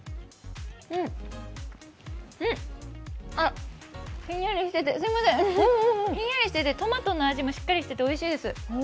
あ、ひんやりしてて、トマトの味もしっかりしてておいしいです。